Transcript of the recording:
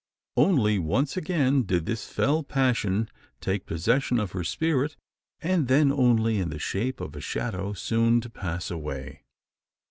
Only once again did this fell passion take possession of her spirit; and then only in the shape of a shadow soon to pass away.